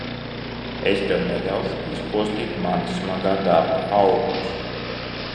Es tev neļaušu izpostīt mana smagā darba augļus!